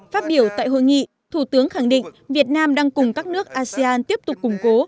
phát biểu tại hội nghị thủ tướng khẳng định việt nam đang cùng các nước asean tiếp tục củng cố